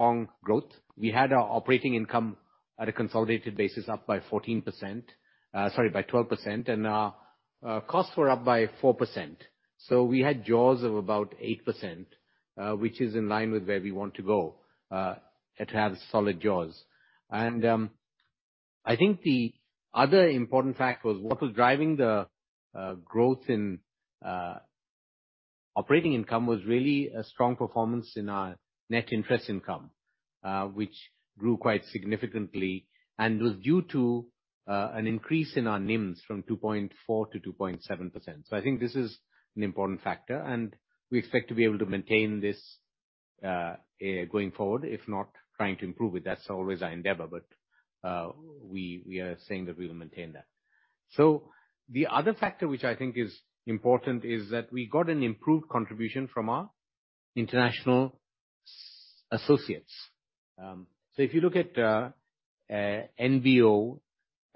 We had our operating income at a consolidated basis up by 14%, sorry, by 12%, and our costs were up by 4%. We had jaws of about 8%, which is in line with where we want to go. It has solid jaws. I think the other important fact was what was driving the growth in operating income was really a strong performance in our NIMS, which grew quite significantly and was due to an increase in our NIMS from 2.4% to 2.7%. I think this is an important factor, and we expect to be able to maintain this going forward, if not trying to improve it. That's always our endeavor. We are saying that we will maintain that. The other factor which I think is important is that we got an improved contribution from our international associates. If you look at NBO,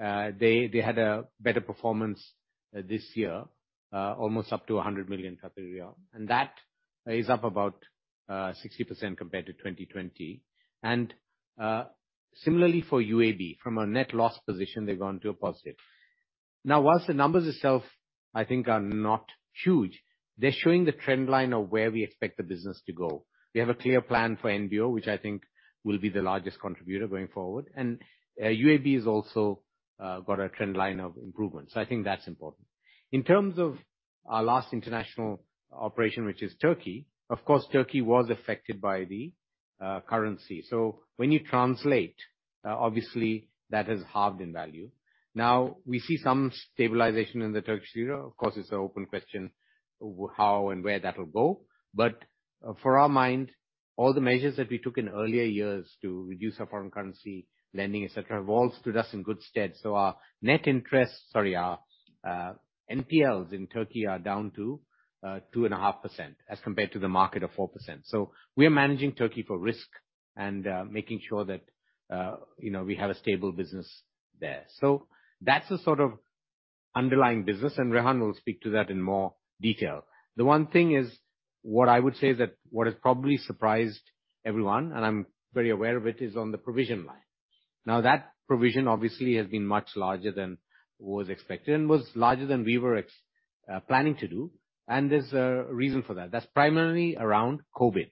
they had a better performance this year, almost up to 100 million, and that is up about 60% compared to 2020. Similarly for UAB, from a net loss position, they've gone to a positive. Whilst the numbers itself I think are not huge, they're showing the trend line of where we expect the business to go. We have a clear plan for NBO, which I think will be the largest contributor going forward, and UAB has also got a trend line of improvement. I think that's important. In terms of our last international operation, which is Turkey, of course, Turkey was affected by the currency. When you translate, obviously, that has halved in value. We see some stabilization in the Turkish lira. Of course, it's an open question how and where that will go. For our mind, all the measures that we took in earlier years to reduce our foreign currency lending, et cetera, have all stood us in good stead. Our net interest, sorry, our NPLs in Turkey are down to 2.5% as compared to the market of 4%. We are managing Turkey for risk and making sure that we have a stable business there. That's the sort of underlying business, and Rehan will speak to that in more detail. The one thing is, what I would say is that what has probably surprised everyone, and I'm very aware of it, is on the provision line. That provision, obviously, has been much larger than was expected and was larger than we were planning to do, and there's a reason for that. That's primarily around COVID.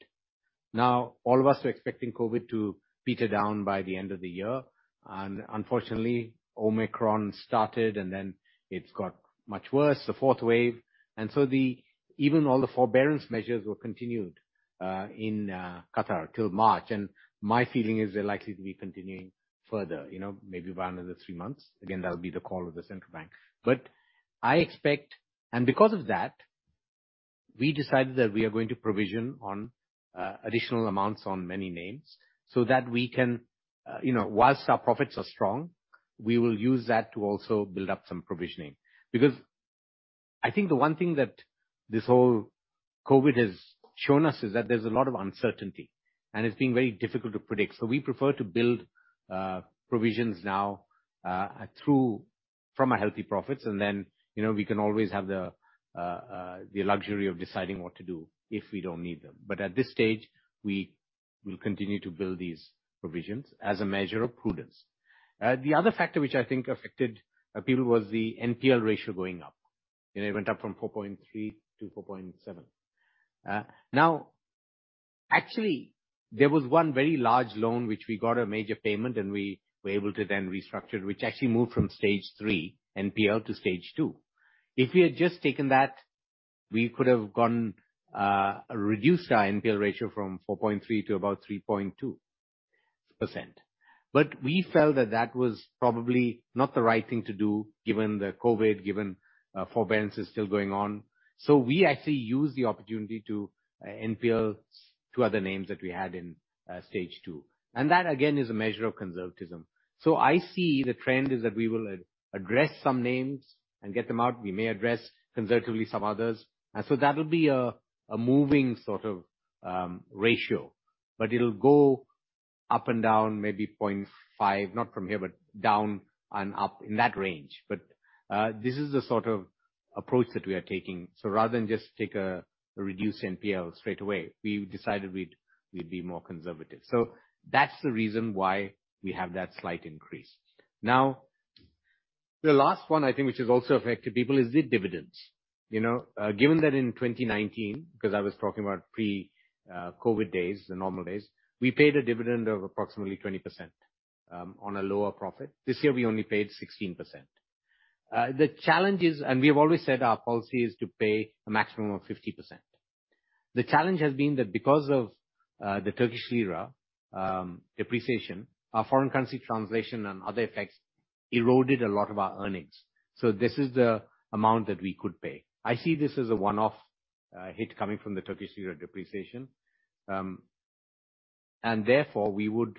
All of us were expecting COVID to peter down by the end of the year, and unfortunately, Omicron started and then it's got much worse, the fourth wave. Even all the forbearance measures were continued in Qatar till March, and my feeling is they're likely to be continuing further, maybe by another three months. Again, that'll be the call of the central bank. I expect, and because of that, we decided that we are going to provision on additional amounts on many names so that we can, whilst our profits are strong, we will use that to also build up some provisioning. I think the one thing that this whole COVID has shown us is that there's a lot of uncertainty, and it's been very difficult to predict. We prefer to build provisions now from our healthy profits, then we can always have the luxury of deciding what to do if we don't need them. At this stage, we will continue to build these provisions as a measure of prudence. The other factor which I think affected people was the NPL ratio going up. It went up from 4.3 to 4.7. Now, actually, there was one very large loan, which we got a major payment, and we were able to then restructure, which actually moved from stage 3 NPL to stage 2. If we had just taken that, we could have reduced our NPL ratio from 4.3 to about 3.2%. We felt that that was probably not the right thing to do given the COVID, given forbearance is still going on. We actually used the opportunity to NPL two other names that we had in stage 2. That, again, is a measure of conservatism. I see the trend is that we will address some names and get them out. We may address conservatively some others. That'll be a moving sort of ratio. It'll go up and down, maybe 0.5%, not from here, but down and up in that range. This is the sort of approach that we are taking. Rather than just take a reduced NPL straight away, we decided we'd be more conservative. That's the reason why we have that slight increase. The last one, I think, which has also affected people is the dividends. Given that in 2019, because I was talking about pre-COVID days, the normal days, we paid a dividend of approximately 20% on a lower profit. This year, we only paid 16%. The challenge is, we have always said our policy is to pay a maximum of 50%. The challenge has been that because of the Turkish lira depreciation, our foreign currency translation and other effects eroded a lot of our earnings. This is the amount that we could pay. I see this as a one-off hit coming from the Turkish lira depreciation. Therefore, we would,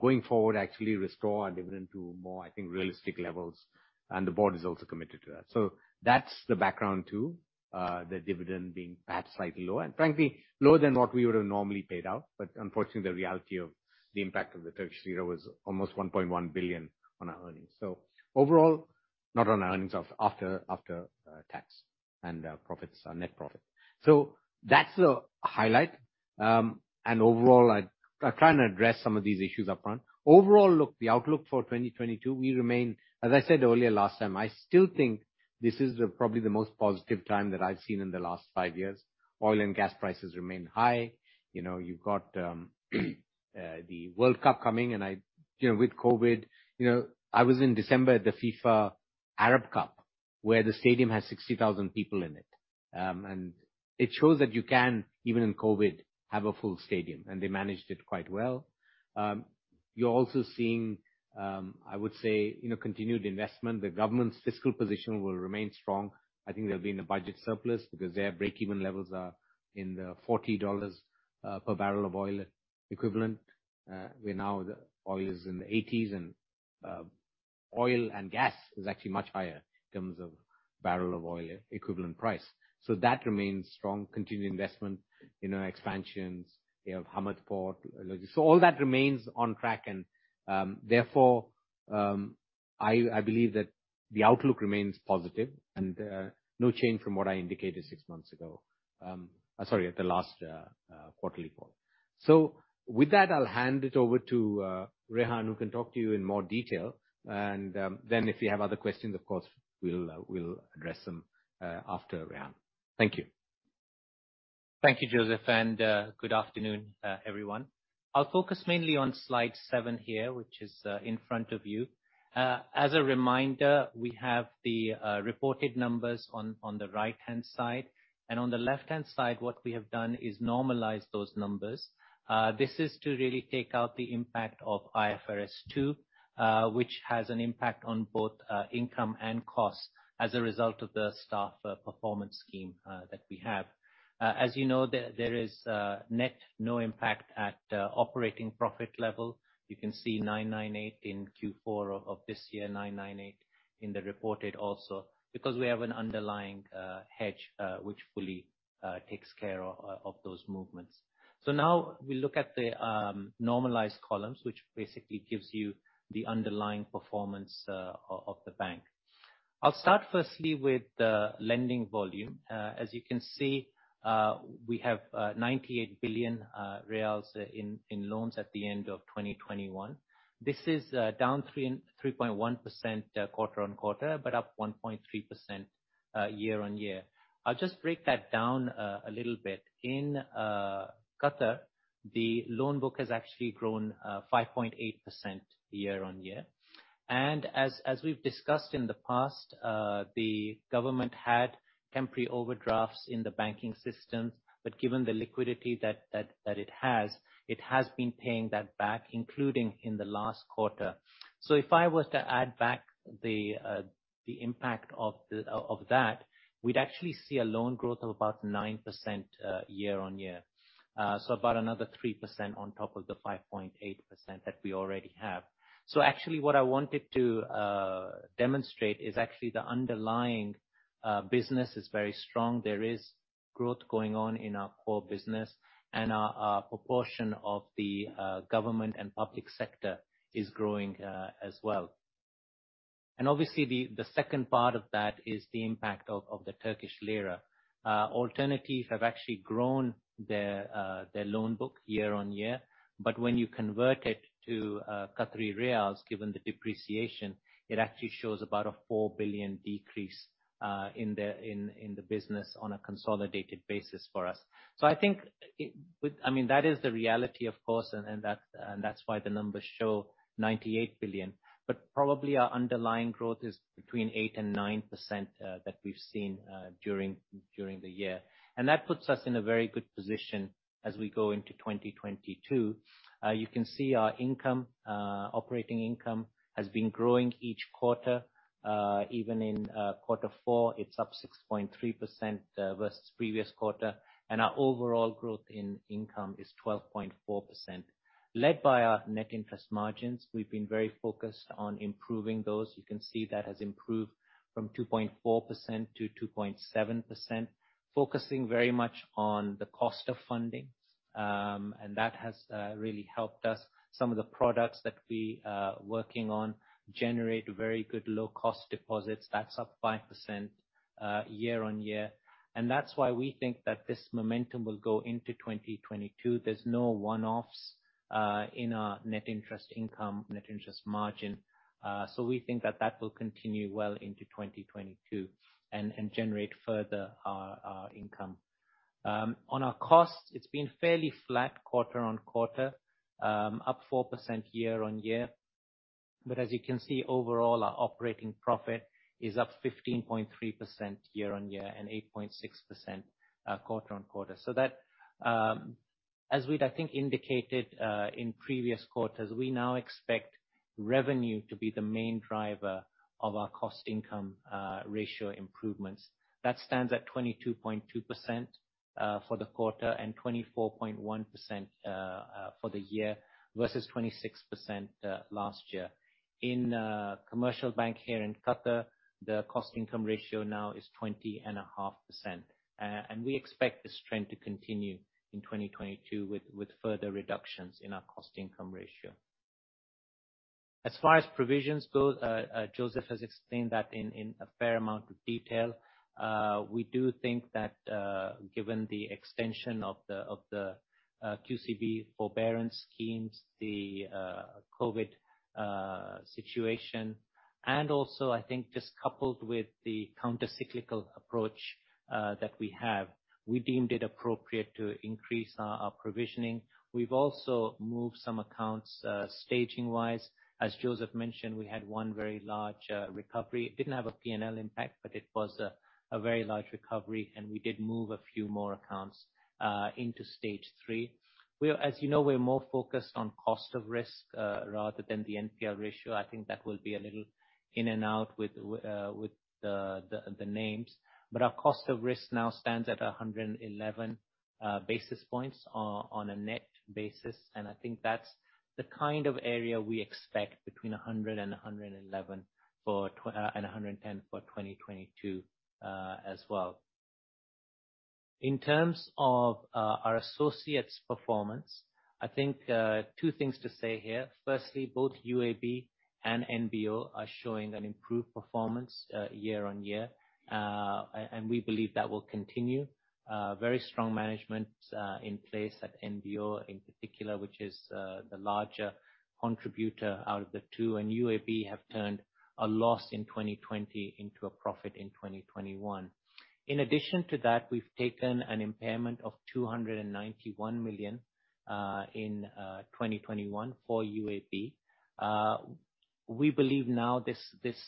going forward, actually restore our dividend to more, I think, realistic levels, and the board is also committed to that. That's the background to the dividend being perhaps slightly lower, and frankly, lower than what we would have normally paid out. Unfortunately, the reality of the impact of the Turkish lira was almost 1.1 billion on our earnings. Overall, not on earnings after tax. Our profits are net profit. That's the highlight. Overall, I kind of addressed some of these issues upfront. Overall look, the outlook for 2022, as I said earlier last time, I still think this is probably the most positive time that I've seen in the last five years. Oil and gas prices remain high. You've got the World Cup coming, and with COVID I was in December at the FIFA Arab Cup, where the stadium has 60,000 people in it. It shows that you can, even in COVID, have a full stadium, and they managed it quite well. You're also seeing, I would say, continued investment. The government's fiscal position will remain strong. I think they'll be in a budget surplus because their breakeven levels are in the $40 per barrel of oil equivalent, where now oil is in the 80s, and oil and gas is actually much higher in terms of barrel of oil equivalent price. That remains strong. Continued investment, expansions, you have Hamad Port. All that remains on track and, therefore, I believe that the outlook remains positive and no change from what I indicated six months ago. Sorry, at the last quarterly call. With that, I'll hand it over to Rehan, who can talk to you in more detail. If you have other questions, of course, we'll address them after Rehan. Thank you. Thank you, Joseph, and good afternoon, everyone. I'll focus mainly on slide seven here, which is in front of you. As a reminder, we have the reported numbers on the right-hand side, and on the left-hand side, what we have done is normalized those numbers. This is to really take out the impact of IFRS 2, which has an impact on both income and cost as a result of the staff performance scheme that we have. As you know, there is net no impact at operating profit level. You can see 998 in Q4 of this year, 998 in the reported also, because we have an underlying hedge, which fully takes care of those movements. Now we look at the normalized columns, which basically gives you the underlying performance of the bank. I'll start firstly with the lending volume. As you can see, we have QAR 98 billion in loans at the end of 2021. This is down 3.1% quarter-on-quarter, but up 1.3% year-on-year. I'll just break that down a little bit. In Qatar, the loan book has actually grown 5.8% year-on-year. As we've discussed in the past, the government had temporary overdrafts in the banking system, but given the liquidity that it has, it has been paying that back, including in the last quarter. If I was to add back the impact of that, we'd actually see a loan growth of about 9% year-on-year. About another 3% on top of the 5.8% that we already have. Actually, what I wanted to demonstrate is actually the underlying business is very strong. There is growth going on in our core business, and our proportion of the government and public sector is growing as well. Obviously, the second part of that is the impact of the Turkish lira. Alternatif have actually grown their loan book year-on-year, but when you convert it to QAR, given the depreciation, it actually shows about a 4 billion decrease in the business on a consolidated basis for us. I think that is the reality, of course, and that's why the numbers show 98 billion. Probably our underlying growth is between 8% and 9% that we've seen during the year. That puts us in a very good position as we go into 2022. You can see our operating income has been growing each quarter. Even in quarter four, it's up 6.3% versus previous quarter. Our overall growth in income is 12.4%, led by our net interest margins. We've been very focused on improving those. You can see that has improved from 2.4% to 2.7%, focusing very much on the cost of funding. That has really helped us. Some of the products that we are working on generate very good low-cost deposits. That's up 5% year-on-year. That's why we think that this momentum will go into 2022. There's no one-offs in our net interest income, net interest margin. We think that that will continue well into 2022 and generate further income. On our costs, it's been fairly flat quarter-on-quarter, up 4% year-on-year. As you can see, overall, our operating profit is up 15.3% year-on-year and 8.6% quarter-on-quarter. That, as we'd, I think, indicated in previous quarters, we now expect revenue to be the main driver of our cost income ratio improvements. That stands at 22.2% for the quarter and 24.1% for the year versus 26% last year. In Commercial Bank here in Qatar, the cost income ratio now is 20.5%. We expect this trend to continue in 2022 with further reductions in our cost income ratio. As far as provisions go, Joseph has explained that in a fair amount of detail. We do think that given the extension of the QCB forbearance schemes, the COVID situation, and also I think just coupled with the counter-cyclical approach that we have, we deemed it appropriate to increase our provisioning. We've also moved some accounts staging-wise. As Joseph mentioned, we had one very large recovery. It didn't have a P&L impact, but it was a very large recovery, and we did move a few more accounts into stage 3. As you know, we're more focused on cost of risk rather than the NPL ratio. I think that will be a little in and out with the names. Our cost of risk now stands at 111 basis points on a net basis, and I think that's the kind of area we expect between 100 and 111 and 110 for 2022 as well. In terms of our associates' performance, I think two things to say here. Firstly, both UAB and NBO are showing an improved performance year-on-year. We believe that will continue. Very strong management in place at NBO in particular, which is the larger contributor out of the two. UAB have turned a loss in 2020 into a profit in 2021. In addition to that, we've taken an impairment of 291 million in 2021 for UAB. We believe now this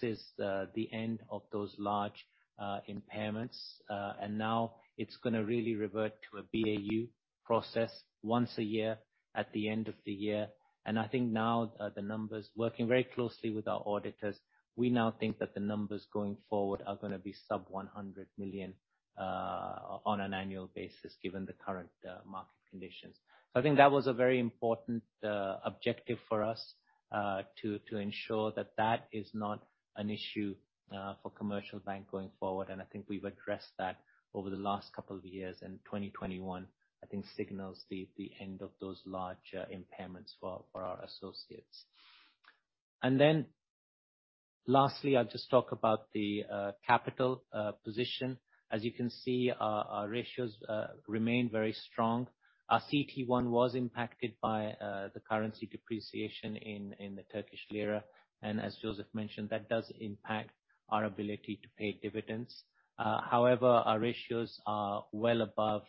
is the end of those large impairments, and now it's going to really revert to a BAU process once a year at the end of the year. I think now the numbers, working very closely with our auditors, we now think that the numbers going forward are going to be sub 100 million on an annual basis, given the current market conditions. I think that was a very important objective for us, to ensure that that is not an issue for Commercial Bank going forward. I think we've addressed that over the last couple of years. 2021, I think, signals the end of those large impairments for our associates. Then lastly, I'll just talk about the capital position. As you can see, our ratios remain very strong. Our CET1 was impacted by the currency depreciation in the Turkish lira. As Joseph mentioned, that does impact our ability to pay dividends. However, our ratios are well above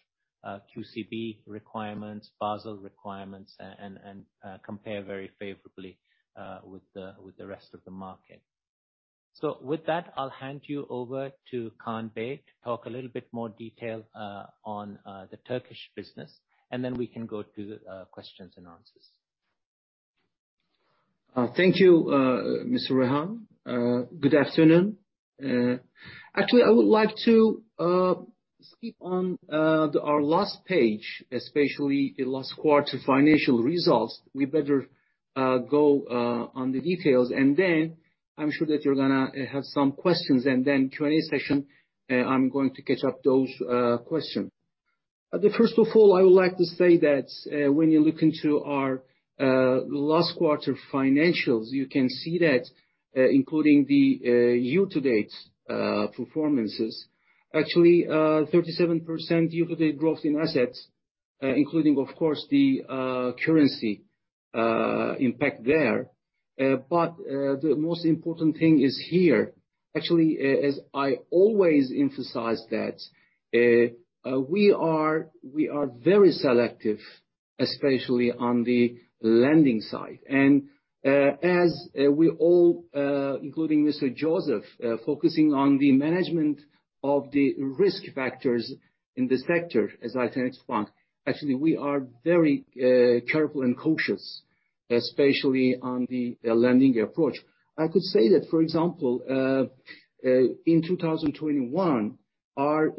QCB requirements, Basel requirements, and compare very favorably with the rest of the market. With that, I'll hand you over to Kaan Bey to talk a little bit more detail on the Turkish business, then we can go to the questions and answers. Thank you, Mr. Rehan. Good afternoon. I would like to skip on our last page, especially the last quarter financial results. We better go on the details, I'm sure that you're going to have some questions, Q&A session, I'm going to catch up those questions. First of all, I would like to say that when you look into our last quarter financials, you can see that including the year to date performances, 37% year to date growth in assets, including, of course, the currency impact there. The most important thing is here, as I always emphasize that we are very selective, especially on the lending side. As we all, including Mr. Joseph, focusing on the management of the risk factors in the sector, as I can expand, we are very careful and cautious, especially on the lending approach. I could say that, for example, in 2021, our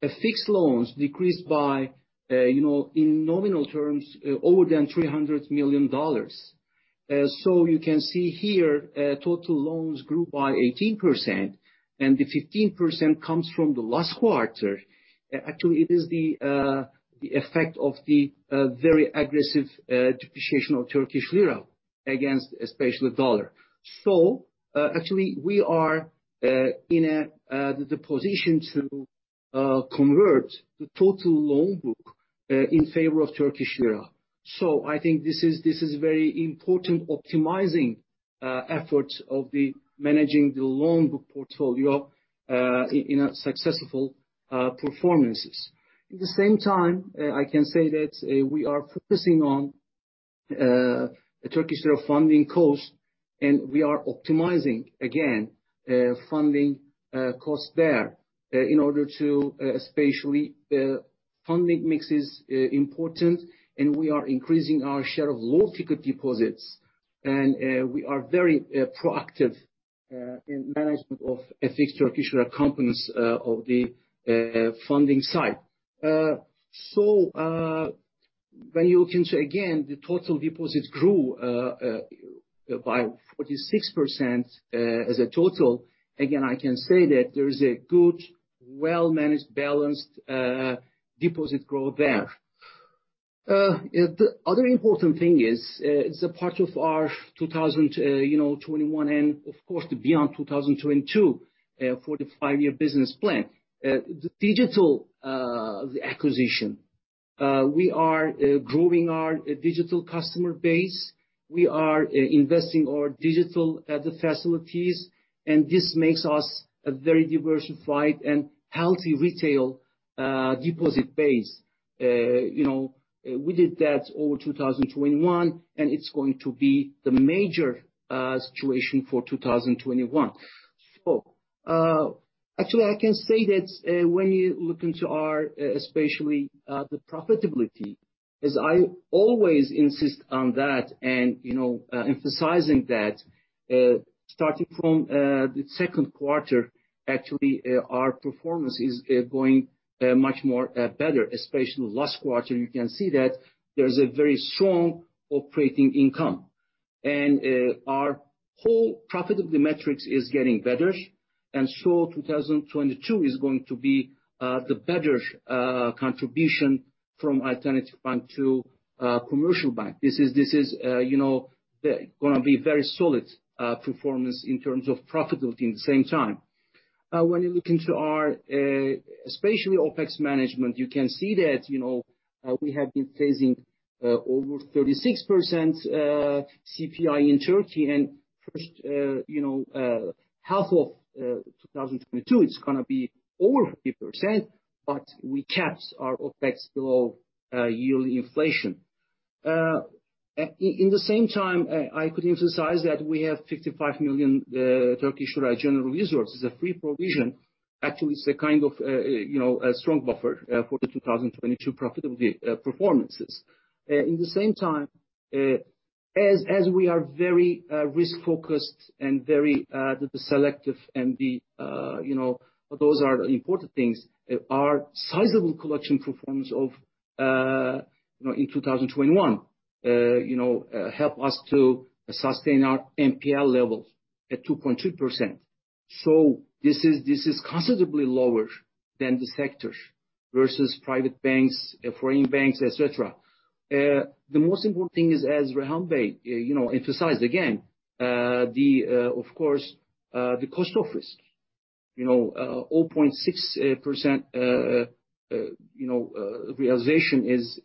fixed loans decreased by, in nominal terms, over than 300 million dollars. You can see here, total loans grew by 18%, and the 15% comes from the last quarter. It is the effect of the very aggressive depreciation of Turkish lira against especially USD. We are in the position to convert the total loan book in favor of Turkish lira. I think this is very important optimizing efforts of the managing the loan book portfolio in a successful performances. At the same time, I can say that we are focusing on the Turkish lira funding cost, we are optimizing, again, funding cost there in order to especially, funding mix is important, we are increasing our share of low-ticket deposits. We are very proactive in management of fixed Turkish lira components of the funding side. When you look into, again, the total deposits grew by 46% as a total. Again, I can say that there is a good, well-managed, balanced deposit growth there. The other important thing is, it's a part of our 2021 and of course, beyond 2022, for the 5-year business plan. The digital acquisition. We are growing our digital customer base. We are investing our digital facilities, this makes us a very diversified and healthy retail deposit base. We did that over 2021, it's going to be the major situation for 2021. I can say that when you look into our, especially, the profitability, as I always insist on that and emphasizing that, starting from the second quarter, our performance is going much more better. Especially last quarter, you can see that there's a very strong operating income. Our whole profitability metrics is getting better. 2022 is going to be the better contribution from Alternatifbank to The Commercial Bank. This is going to be very solid performance in terms of profitability at the same time. When you look into our, especially, OPEX management, you can see that we have been facing over 36% CPI in Turkey, and first half of 2022, it's going to be over 50%, but we capped our OPEX below yearly inflation. In the same time, I could emphasize that we have 55 million TRY general reserves. It's a free provision. Actually, it's a kind of a strong buffer for the 2022 profitability performances. In the same time, as we are very risk-focused and very selective and those are important things. Our sizable collection performance in 2021 help us to sustain our NPL levels at 2.2%. This is considerably lower than the sectors versus private banks, foreign banks, et cetera. The most important thing is, as Rehan Bey emphasized again, of course, the cost of risk. 0.6% realization is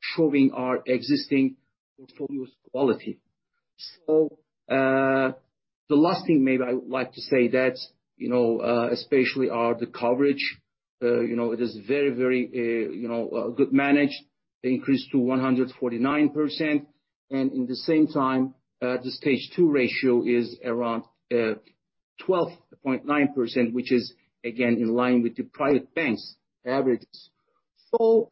showing our existing portfolio's quality. The last thing maybe I would like to say that, especially the coverage, it is very good managed. They increased to 149%. In the same time, the stage 2 ratio is around 12.9%, which is again in line with the private banks' averages. All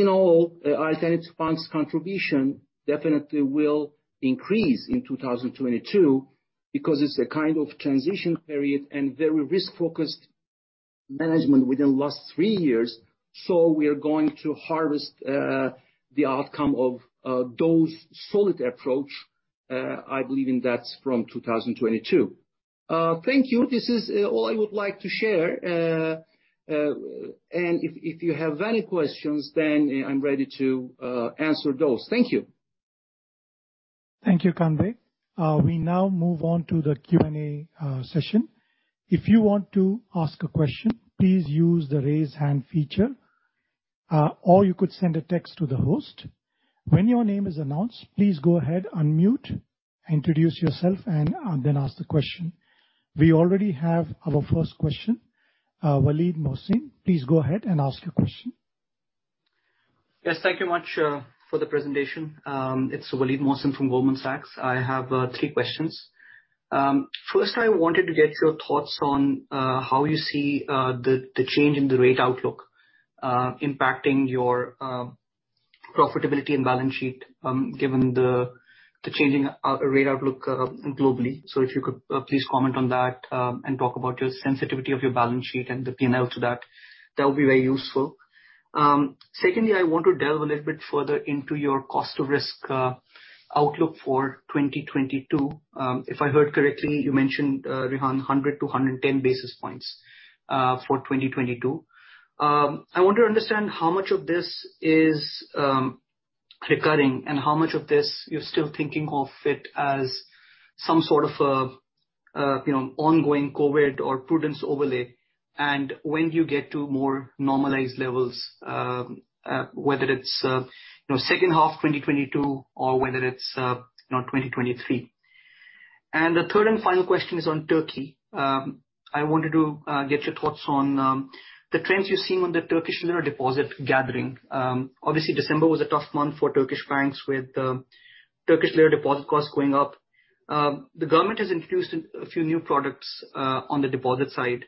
in all, Alternatifbank's contribution definitely will increase in 2022 because it's a kind of transition period and very risk-focused management within the last three years. We are going to harvest the outcome of those solid approach, I believe in that from 2022. Thank you. This is all I would like to share. If you have any questions, I'm ready to answer those. Thank you. Thank you, Kaan Bey. We now move on to the Q&A session. If you want to ask a question, please use the Raise Hand feature. You could send a text to the host. When your name is announced, please go ahead, unmute, introduce yourself, and then ask the question. We already have our first question. Waleed Mohsin, please go ahead and ask your question. Yes, thank you much for the presentation. It's Waleed Mohsin from Goldman Sachs. I have three questions. First, I wanted to get your thoughts on how you see the change in the rate outlook impacting your profitability and balance sheet, given the changing rate outlook globally. If you could please comment on that, and talk about your sensitivity of your balance sheet and the P&L to that would be very useful. Secondly, I want to delve a little bit further into your cost of risk outlook for 2022. If I heard correctly, you mentioned, Rehan, 100 to 110 basis points for 2022. I want to understand how much of this is recurring and how much of this you're still thinking of it as some sort of ongoing COVID or prudence overlay, and when you get to more normalized levels, whether it's second half 2022 or whether it's 2023. The third and final question is on Turkey. I wanted to get your thoughts on the trends you're seeing on the Turkish lira deposit gathering. Obviously, December was a tough month for Turkish banks with the Turkish lira deposit costs going up. The government has introduced a few new products on the deposit side,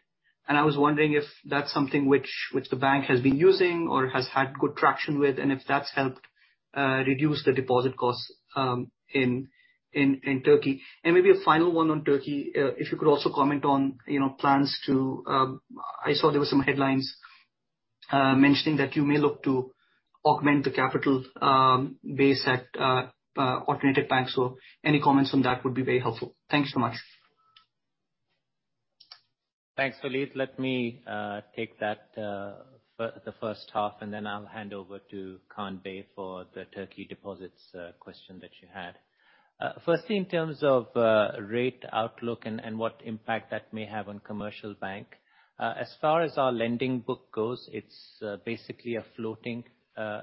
and I was wondering if that's something which the bank has been using or has had good traction with, and if that's helped reduce the deposit costs in Turkey. Maybe a final one on Turkey, if you could also comment on plans to I saw there were some headlines mentioning that you may look to augment the capital base at Alternatifbank. Any comments on that would be very helpful. Thanks so much. Thanks, Waleed. Let me take the first half, and then I'll hand over to Kaan Bey for the Turkey deposits question that you had. Firstly, in terms of rate outlook and what impact that may have on The Commercial Bank. As far as our lending book goes, it's basically a floating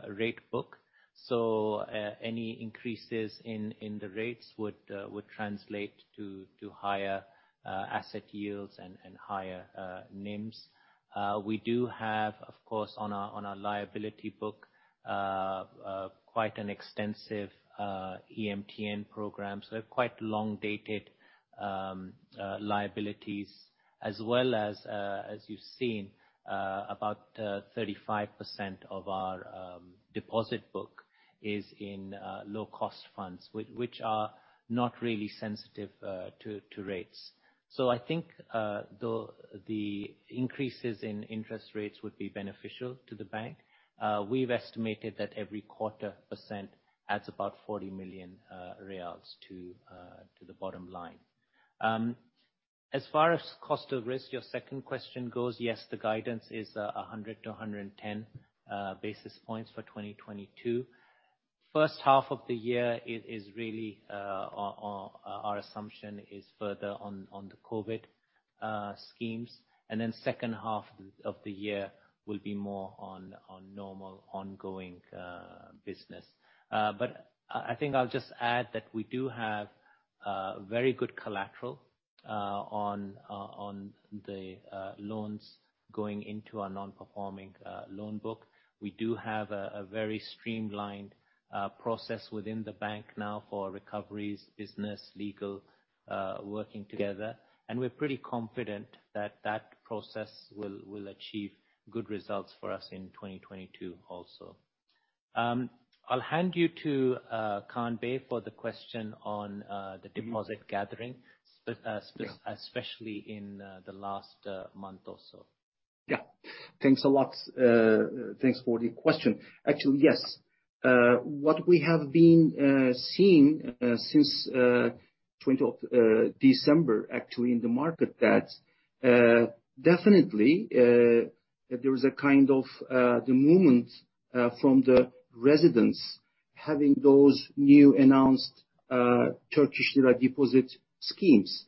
rate book. Any increases in the rates would translate to higher asset yields and higher NIMS. We do have, of course, on our liability book, quite an extensive EMTN program, quite long-dated liabilities as well as you've seen about 35% of our deposit book is in low-cost funds, which are not really sensitive to rates. I think the increases in interest rates would be beneficial to the bank. We've estimated that every quarter percent adds about QAR 40 million to the bottom line. As far as cost of risk, your second question goes, yes, the guidance is 100 to 110 basis points for 2022. First half of the year, our assumption is further on the COVID schemes. The second half of the year will be more on normal, ongoing business. I think I'll just add that we do have very good collateral on the loans going into our non-performing loan book. We do have a very streamlined process within the bank now for recoveries, business, legal working together. We're pretty confident that that process will achieve good results for us in 2022 also. I'll hand you to Kaan Bey for the question on the deposit gathering, especially in the last month or so. Yeah. Thanks a lot. Thanks for the question. Actually, yes. What we have been seeing since 20th December, actually, in the market that definitely, there is a kind of the movement from the residents having those new announced TRY deposit schemes.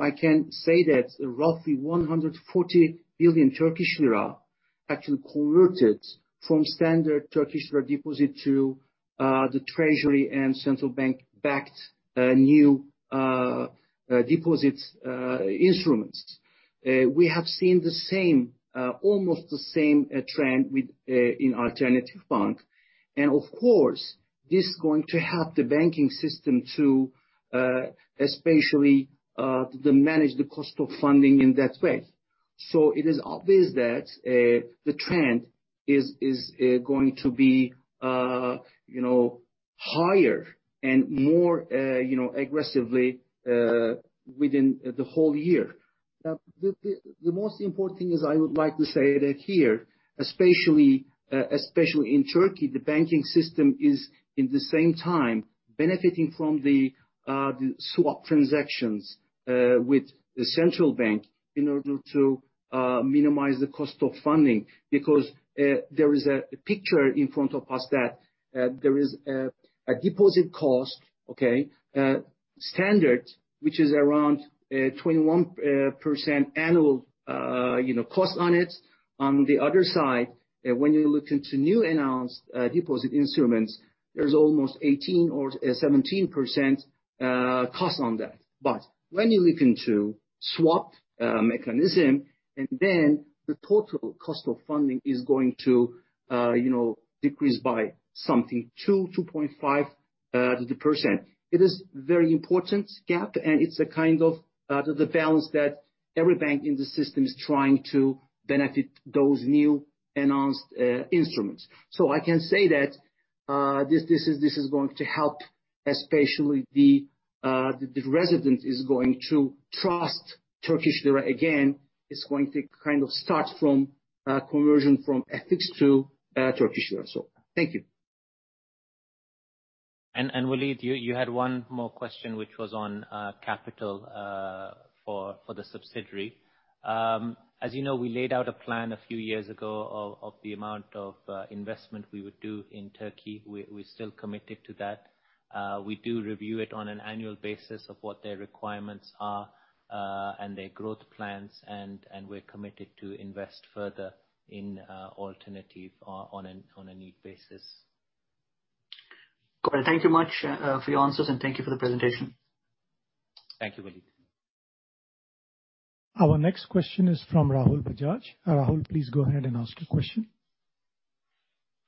I can say that roughly 140 billion Turkish lira actually converted from standard TRY deposit to the treasury and central bank-backed new deposits instruments. We have seen almost the same trend in Alternatifbank. Of course, this is going to help the banking system to especially manage the cost of funding in that way. It is obvious that the trend is going to be higher and more aggressively within the whole year. The most important thing is I would like to say that here, especially in Turkey, the banking system is at the same time benefiting from the swap transactions with the central bank in order to minimize the cost of funding because there is a picture in front of us that there is a deposit cost, okay, standard, which is around 21% annual cost on it. On the other side, when you look into new announced deposit instruments, there is almost 18% or 17% cost on that. When you look into swapped mechanism and then the total cost of funding is going to decrease by something, 2%-2.5%. It is very important gap, and it's a kind of the balance that every bank in the system is trying to benefit those new announced instruments. I can say that this is going to help, especially the resident is going to trust TRY again, is going to kind of start from conversion from FX to TRY. Thank you. Waleed, you had one more question which was on capital for the subsidiary. As you know, we laid out a plan a few years ago of the amount of investment we would do in Turkey. We're still committed to that. We do review it on an annual basis of what their requirements are and their growth plans, and we're committed to invest further in Alternatifbank on a need basis. Great. Thank you much for your answers and thank you for the presentation. Thank you, Waleed. Our next question is from Rahul Bajaj. Rahul, please go ahead and ask your question.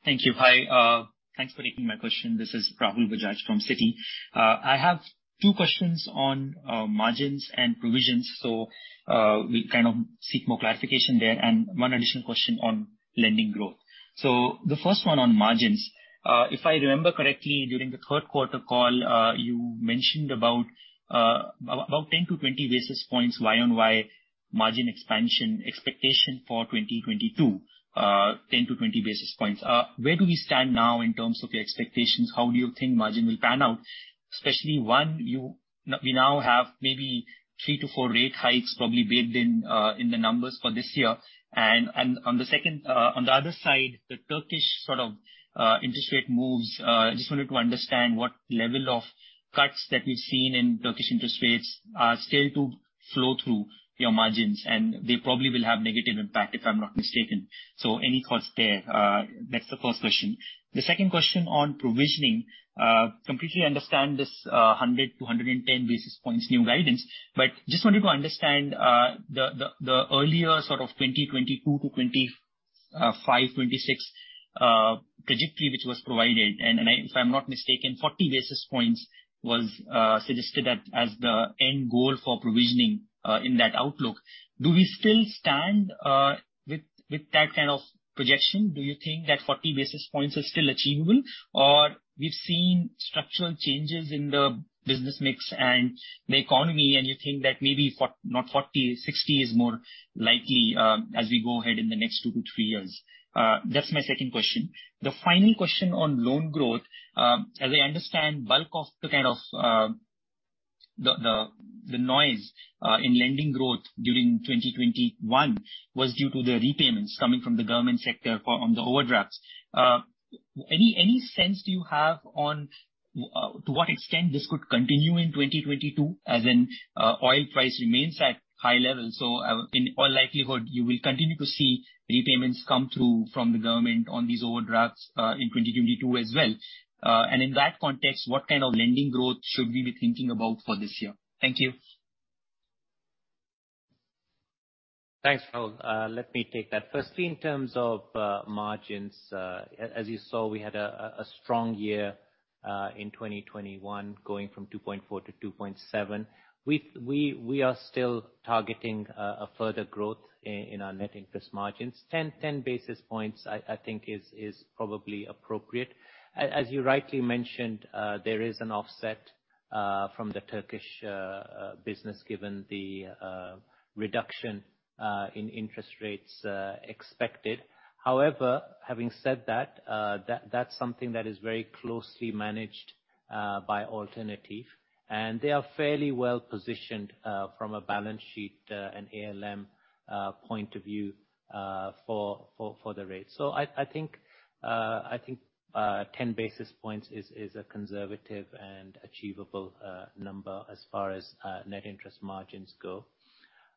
Thank you. Hi. Thanks for taking my question. This is Rahul Bajaj from Citi. I have two questions on margins and provisions. We kind of seek more clarification there and one additional question on lending growth. The first one on margins. If I remember correctly, during the third quarter call, you mentioned about 10-20 basis points Y on Y margin expansion expectation for 2022, 10-20 basis points. Where do we stand now in terms of your expectations? How do you think margin will pan out? Especially, one, we now have maybe three to four rate hikes probably baked in in the numbers for this year. On the other side, the Turkish interest rate moves. I just wanted to understand what level of cuts that we've seen in Turkish interest rates are still to flow through your margins, and they probably will have negative impact, if I'm not mistaken. Any thoughts there? That's the first question. The second question on provisioning. Completely understand this 100-110 basis points new guidance, but just wanted to understand, the earlier sort of 2022-2025, 2026 trajectory which was provided, and if I'm not mistaken, 40 basis points was suggested as the end goal for provisioning in that outlook. Do we still stand with that kind of projection? Do you think that 40 basis points is still achievable? We've seen structural changes in the business mix and the economy, and you think that maybe not 40, 60 is more likely as we go ahead in the next 2-3 years? That's my second question. The final question on loan growth. As I understand, bulk of the noise in lending growth during 2021 was due to the repayments coming from the government sector on the overdrafts. Any sense do you have on to what extent this could continue in 2022, as in oil price remains at high levels, in all likelihood, you will continue to see repayments come through from the government on these overdrafts, in 2022 as well. In that context, what kind of lending growth should we be thinking about for this year? Thank you. Thanks, Rahul. Let me take that. Firstly, in terms of margins, as you saw, we had a strong year, in 2021, going from 2.4-2.7. We are still targeting a further growth in our net interest margins. 10 basis points, I think, is probably appropriate. As you rightly mentioned, there is an offset from the Turkish business, given the reduction in interest rates expected. However, having said that's something that is very closely managed by Alternatif, and they are fairly well-positioned from a balance sheet and ALM point of view for the rate. I think 10 basis points is a conservative and achievable number as far as net interest margins go.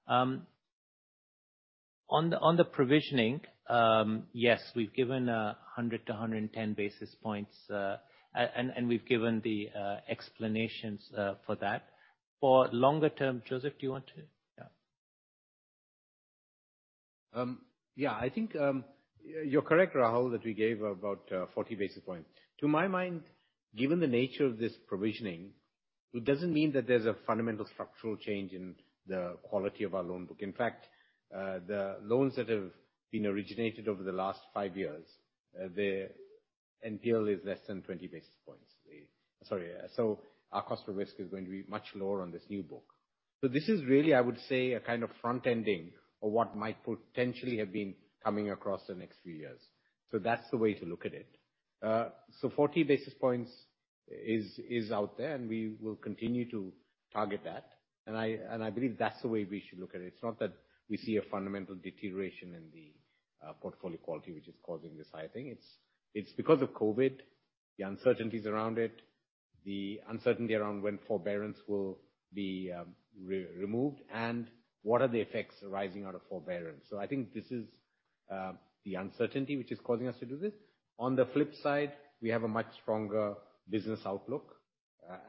On the provisioning, yes, we've given 100-110 basis points, and we've given the explanations for that. For longer term, Joseph, do you want to Yeah. Yeah, I think you're correct, Rahul, that we gave about 40 basis points. To my mind, given the nature of this provisioning, it doesn't mean that there's a fundamental structural change in the quality of our loan book. In fact, the loans that have been originated over the last five years, the NPL is less than 20 basis points. Sorry, yeah. Our cost for risk is going to be much lower on this new book. This is really, I would say, a kind of front-ending of what might potentially have been coming across the next few years. That's the way to look at it. 40 basis points is out there, and we will continue to target that. I believe that's the way we should look at it. It's not that we see a fundamental deterioration in the portfolio quality, which is causing this high thing. It's because of COVID, the uncertainties around it, the uncertainty around when forbearance will be removed, and what are the effects arising out of forbearance. I think this is the uncertainty which is causing us to do this. On the flip side, we have a much stronger business outlook,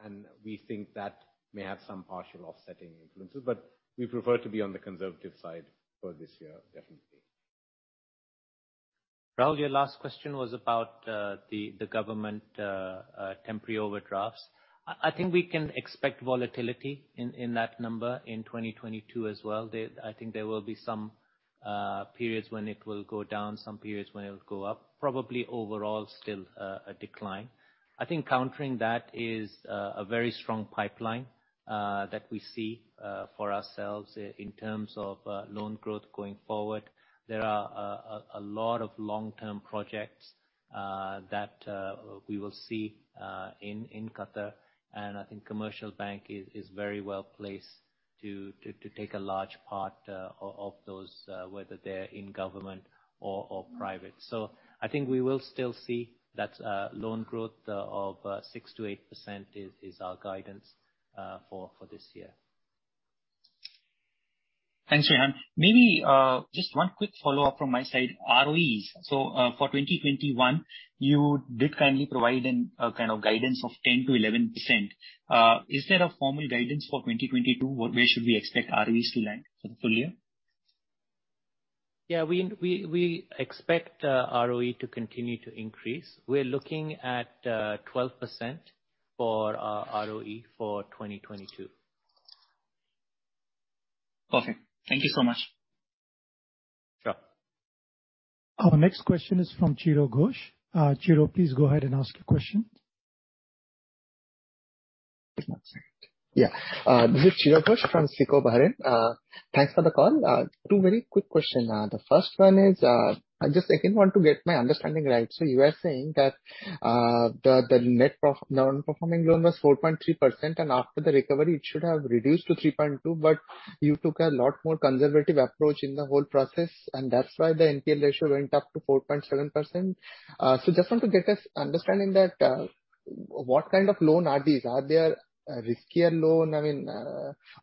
and we think that may have some partial offsetting influences, but we prefer to be on the conservative side for this year, definitely. Rahul, your last question was about the government temporary overdrafts. I think we can expect volatility in that number in 2022 as well. I think there will be some periods when it will go down, some periods when it will go up. Probably overall still a decline. I think countering that is a very strong pipeline that we see for ourselves in terms of loan growth going forward. There are a lot of long-term projects that we will see in Qatar, and I think Commercial Bank is very well placed to take a large part of those, whether they're in government or private. I think we will still see that loan growth of 6%-8% is our guidance for this year. Thanks, Rehan. Maybe just one quick follow-up from my side. ROEs. For 2021, you did kindly provide a kind of guidance of 10%-11%. Is there a formal guidance for 2022? Where should we expect ROEs to land for the full year? We expect ROE to continue to increase. We're looking at 12% for our ROE for 2022. Perfect. Thank you so much. Sure. Our next question is from Chiradeep Ghosh. Chiragh, please go ahead and ask your question. Just one second. Yeah. This is Chiragh Ghosh from SICO Bahrain. Thanks for the call. Two very quick question. The first one is, I just again want to get my understanding right. You are saying that The net non-performing loan was 4.3%, and after the recovery, it should have reduced to 3.2%, but you took a lot more conservative approach in the whole process, and that's why the NPL ratio went up to 4.7%. Just want to get us understanding that, what kind of loan are these? Are they a riskier loan,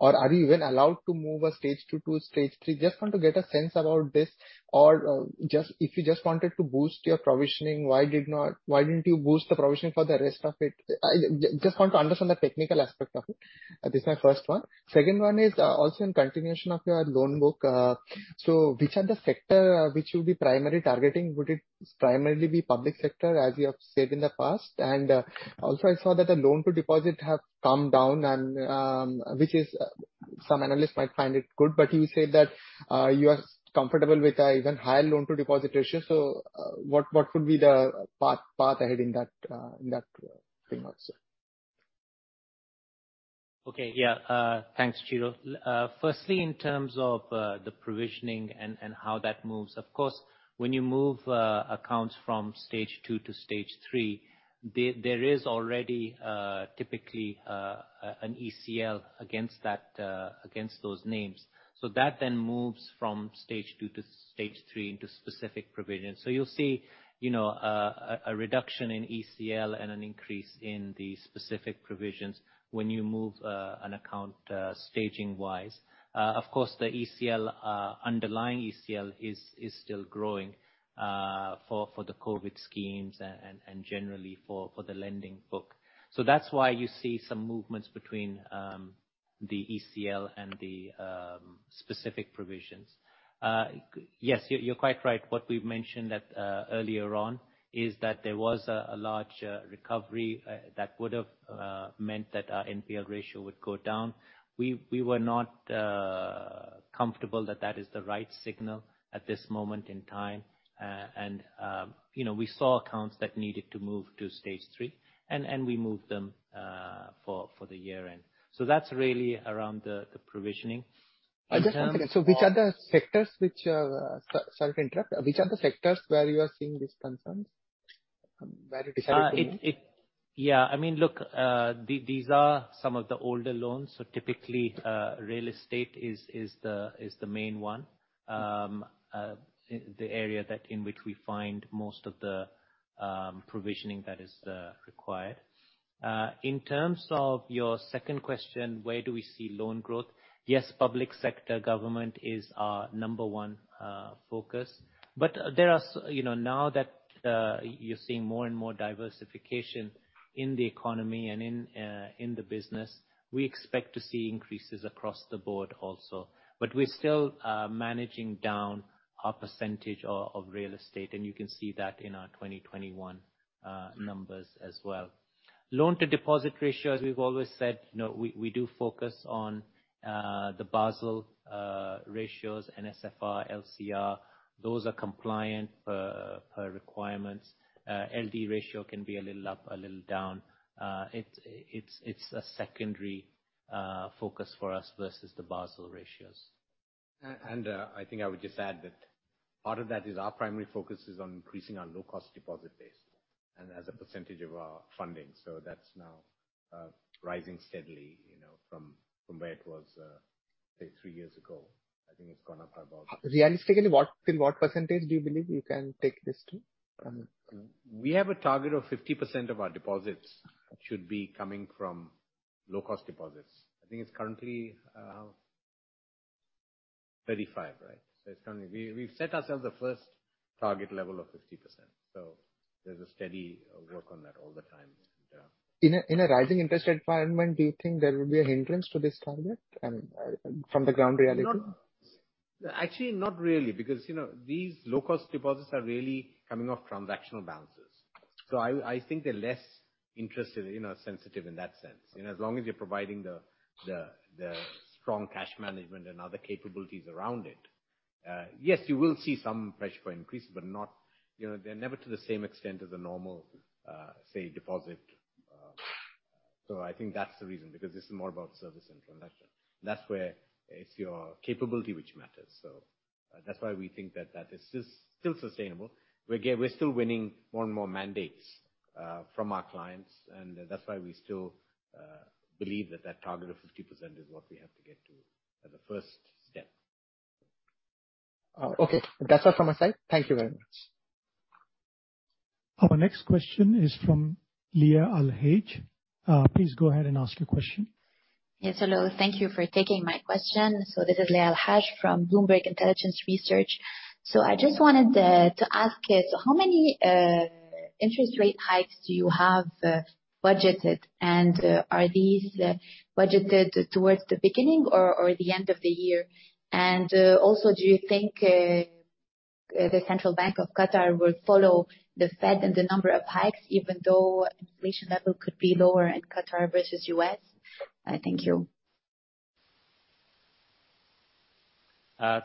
or are you even allowed to move a stage 2 to a stage 3? Just want to get a sense about this or if you just wanted to boost your provisioning, why didn't you boost the provisioning for the rest of it? I just want to understand the technical aspect of it. That is my first one. Second one is also in continuation of your loan book. Which are the sector which you'll be primary targeting? Would it primarily be public sector, as you have said in the past? Also, I saw that the loan-to-deposit have come down and which is, some analysts might find it good, but you said that you are comfortable with an even higher loan-to-deposit ratio. What would be the path ahead in that thing also? Okay. Yeah. Thanks, Chiro. Firstly, in terms of the provisioning and how that moves, of course, when you move accounts from stage 2 to stage 3, there is already typically an ECL against those names. That then moves from stage 2 to stage 3 into specific provisions. You'll see a reduction in ECL and an increase in the specific provisions when you move an account, staging-wise. Of course, the underlying ECL is still growing for the COVID schemes and generally for the lending book. That's why you see some movements between the ECL and the specific provisions. Yes, you're quite right. What we've mentioned earlier on is that there was a large recovery that would have meant that our NPL ratio would go down. We were not comfortable that that is the right signal at this moment in time. We saw accounts that needed to move to stage 3, and we moved them for the year-end. That's really around the provisioning. Just one second. Which are the sectors where you are seeing these concerns, where you decided to move? Yeah. These are some of the older loans. Typically, real estate is the main one. The area, that in which we find most of the provisioning that is required. In terms of your second question, where do we see loan growth? Yes, public sector government is our number one focus. Now that you're seeing more and more diversification in the economy and in the business, we expect to see increases across the board also. We're still managing down our percentage of real estate, and you can see that in our 2021 numbers as well. Loan-to-Deposit ratio, as we've always said, we do focus on the Basel ratios, NSFR, LCR. Those are compliant per requirements. LD ratio can be a little up, a little down. It's a secondary focus for us versus the Basel ratios. I think I would just add that part of that is our primary focus is on increasing our low-cost deposit base and as a percentage of our funding. That's now rising steadily from where it was, say, three years ago. I think it's gone up. Realistically, till what % do you believe you can take this to, Amit? We have a target of 50% of our deposits should be coming from low-cost deposits. I think it's currently 35, right? We've set ourselves the 1st target level of 50%. There's a steady work on that all the time. In a rising interest rate environment, do you think there will be a hindrance to this target from the ground reality? Actually, not really, because these low-cost deposits are really coming off transactional balances. I think they're less interested, sensitive in that sense. As long as you're providing the strong cash management and other capabilities around it. Yes, you will see some pressure for increases, but they're never to the same extent as a normal, say, deposit. I think that's the reason, because this is more about service and transaction. That's where it's your capability which matters. That's why we think that that is still sustainable. We're still winning more and more mandates from our clients, and that's why we still believe that that target of 50% is what we have to get to as a first step. Okay. That's all from my side. Thank you very much. Our next question is from Leah Al-Haj. Please go ahead and ask your question. Yes, hello. Thank you for taking my question. This is Leah Al-Haj from Bloomberg Intelligence Research. I just wanted to ask you, how many interest rate hikes do you have budgeted? And are these budgeted towards the beginning or the end of the year? And also, do you think the Central Bank of Qatar will follow the Fed and the number of hikes, even though inflation level could be lower in Qatar versus U.S.? Thank you.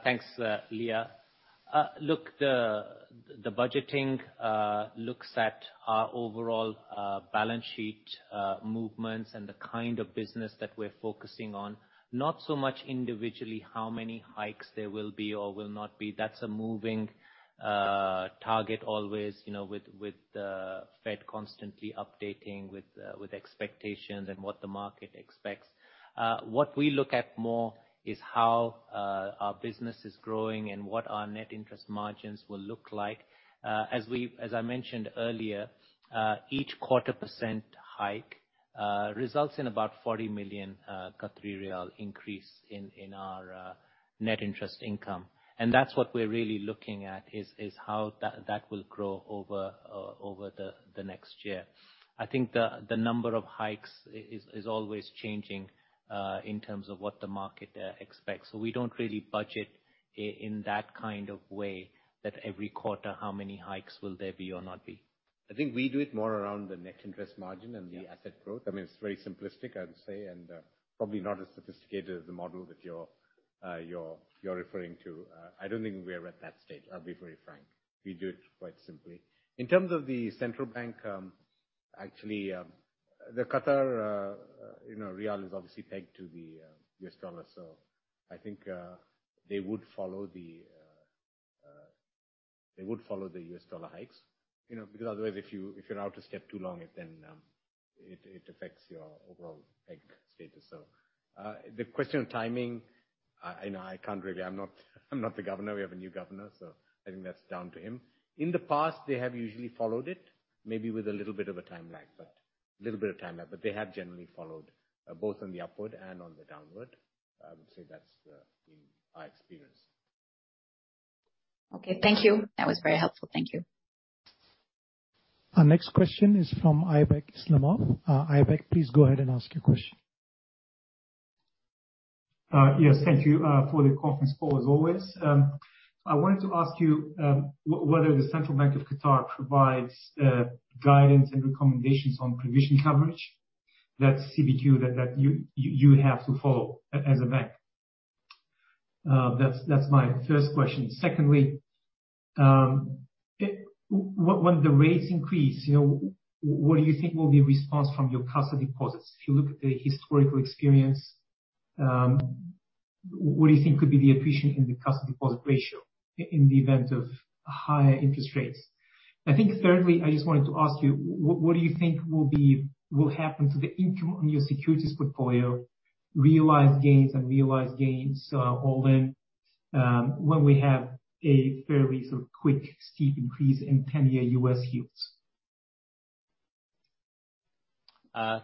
Thanks, Leah. Look, the budgeting looks at our overall Balance Sheet movements and the kind of business that we're focusing on, not so much individually, how many hikes there will be or will not be. That's a moving target always, with the Fed constantly updating with expectations and what the market expects. What we look at more is how our business is growing and what our net interest margins will look like. As I mentioned earlier, each quarter % hike results in about 40 million increase in our net interest income. That's what we're really looking at, is how that will grow over the next year. I think the number of hikes is always changing, in terms of what the market expects. We don't really budget in that kind of way, that every quarter, how many hikes will there be or not be? I think we do it more around the net interest margin and the asset growth. It's very simplistic, I would say, and probably not as sophisticated as the model that you're referring to. I don't think we are at that stage, I'll be very frank. We do it quite simply. In terms of the Central Bank, actually, the Qatari rial is obviously pegged to the U.S. dollar. I think they would follow the U.S. dollar hikes. Otherwise, if you're out a step too long, then it affects your overall peg status. The question of timing, I'm not the governor. We have a new governor, so I think that's down to him. In the past, they have usually followed it, maybe with a little bit of a time lag, but they have generally followed, both on the upward and on the downward. I would say that's been my experience. Okay. Thank you. That was very helpful. Thank you. Our next question is from Aibek Islamov. Aibek, please go ahead and ask your question. Yes. Thank you for the conference call, as always. I wanted to ask you whether the Central Bank of Qatar provides guidance and recommendations on provision coverage that CBQ you have to follow as a bank? That's my first question. When the rates increase, what do you think will be response from your CASA deposits? If you look at the historical experience, what do you think could be the appreciation in the CASA deposit ratio in the event of higher interest rates? I just wanted to ask you, what do you think will happen to the income on your securities portfolio, realized gains and realized gains holding, when we have a fairly sort of quick, steep increase in 10-year U.S. yields?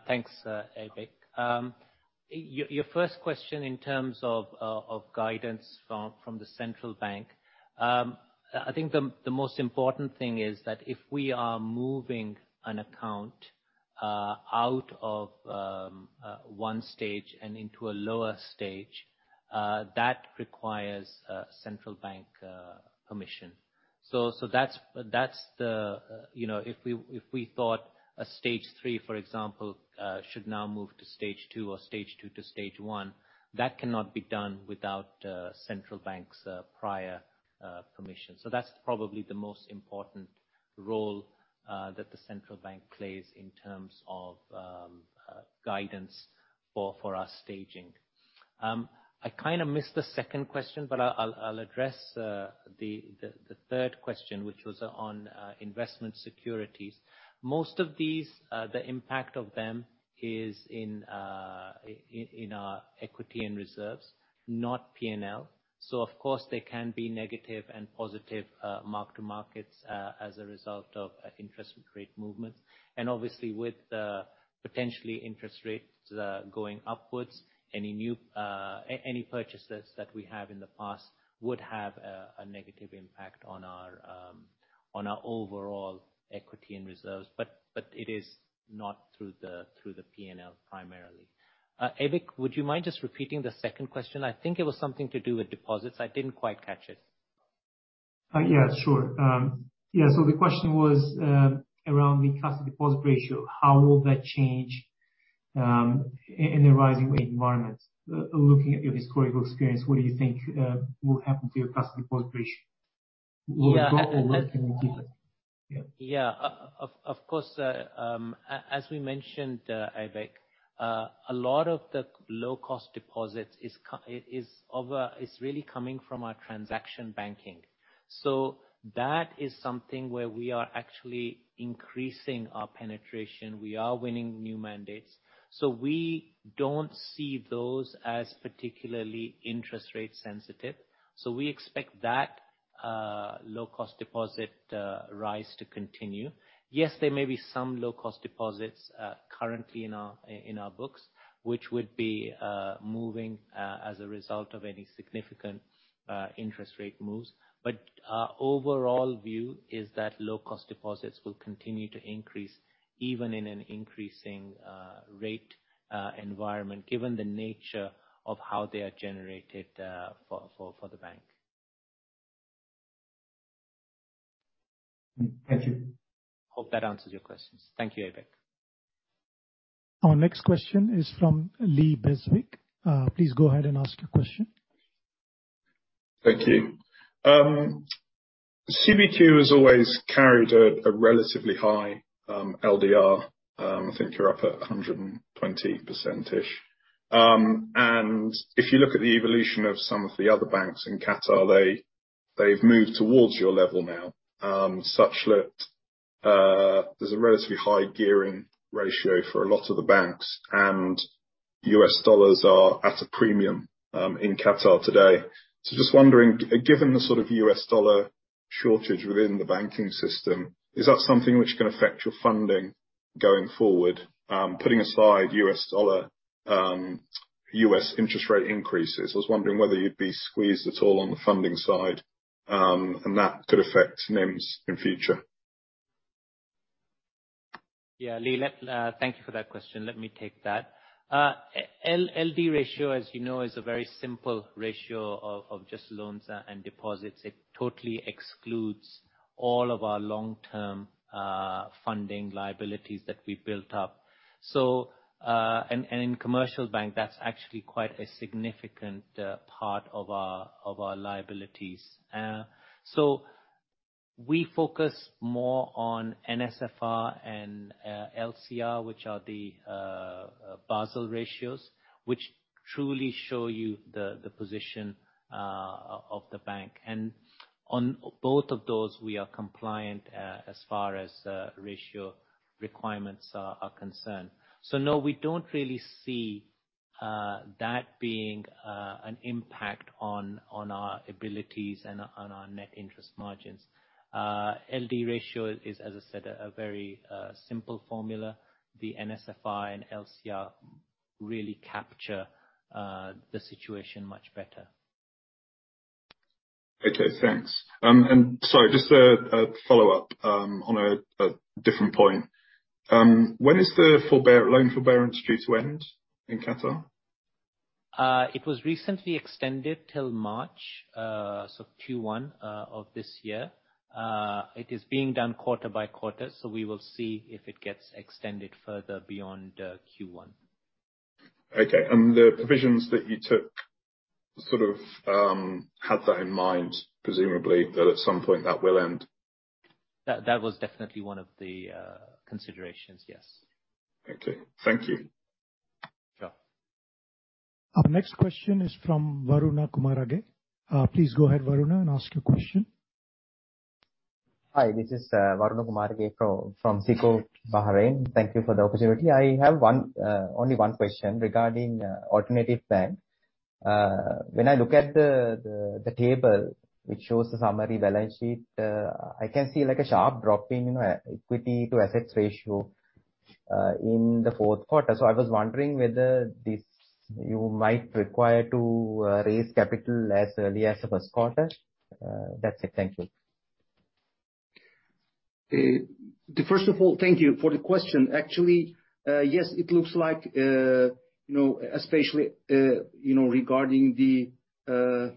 Thanks, Aibek. Your first question in terms of guidance from the Central Bank. I think the most important thing is that if we are moving an account out of one stage and into a lower stage, that requires Central Bank permission. If we thought a stage 3, for example, should now move to stage 2 or stage 2 to stage 1, that cannot be done without Central Bank's prior permission. That's probably the most important role that the Central Bank plays in terms of guidance for our staging. I kind of missed the second question, but I'll address the third question, which was on investment securities. Most of these, the impact of them is in our equity and reserves, not P&L. Of course, they can be negative and positive mark-to-markets, as a result of interest rate movements. Obviously with potentially interest rates going upwards, any purchases that we have in the past would have a negative impact on our overall equity and reserves. It is not through the P&L primarily. Aibek, would you mind just repeating the second question? I think it was something to do with deposits. I didn't quite catch it. The question was around the CASA deposit ratio. How will that change in a rising rate environment? Looking at your historical experience, what do you think will happen to your CASA deposit ratio? Will it go or will it remain different? Yeah. Of course, as we mentioned, Aybek, a lot of the low-cost deposits is really coming from our transaction banking. That is something where we are actually increasing our penetration. We are winning new mandates. We don't see those as particularly interest rate sensitive. We expect that low-cost deposit rise to continue. Yes, there may be some low-cost deposits currently in our books, which would be moving as a result of any significant interest rate moves. Our overall view is that low-cost deposits will continue to increase, even in an increasing rate environment, given the nature of how they are generated for the bank. Thank you. Hope that answers your questions. Thank you, Aybek. Our next question is from Lee Beswick. Please go ahead and ask your question. Thank you. CBQ has always carried a relatively high LDR. I think you're up at 120%-ish. If you look at the evolution of some of the other banks in Qatar, they've moved towards your level now, such that there's a relatively high gearing ratio for a lot of the banks and U.S. dollars are at a premium in Qatar today. Just wondering, given the U.S. dollar shortage within the banking system, is that something which can affect your funding going forward? Putting aside U.S. interest rate increases, I was wondering whether you'd be squeezed at all on the funding side, and that could affect NIMs in future. Yeah, Lee, thank you for that question. Let me take that. LD ratio, as you know, is a very simple ratio of just loans and deposits. It totally excludes all of our long-term funding liabilities that we built up. In Commercial Bank, that's actually quite a significant part of our liabilities. We focus more on NSFR and LCR, which are the Basel ratios, which truly show you the position of the bank. On both of those, we are compliant as far as ratio requirements are concerned. No, we don't really see that being an impact on our abilities and on our net interest margins. LD ratio is, as I said, a very simple formula. The NSFR and LCR really capture the situation much better. Okay, thanks. Sorry, just a follow-up on a different point. When is the loan forbearance due to end in Qatar? It was recently extended until March, so Q1 of this year. It is being done quarter by quarter, so we will see if it gets extended further beyond Q1. Okay. The provisions that you took sort of had that in mind, presumably, that at some point that will end. That was definitely one of the considerations, yes. Okay. Thank you. Sure. Our next question is from Waruna Kumarage. Please go ahead, Waruna, and ask your question. Hi, this is Waruna Kumarage from SICO, Bahrain. Thank you for the opportunity. I have only one question regarding Alternatifbank. When I look at the table which shows the summary balance sheet, I can see a sharp drop in equity to assets ratio in the fourth quarter. I was wondering whether you might require to raise capital as early as the first quarter. That's it. Thank you. First of all, thank you for the question. Actually, yes, it looks like, especially regarding the